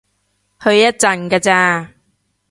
去一陣㗎咋